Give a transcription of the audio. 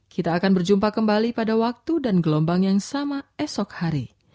kita akan berjumpa kembali pada waktu dan gelombang yang sama esok hari